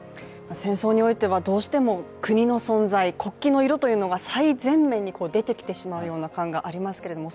戦争においてはどうしても国の存在、国旗の色というのが最前面に出てきてしまうような感がありますけれども